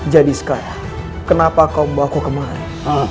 jadi sekarang kenapa kau membawa aku kemana